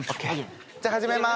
じゃあ始めます。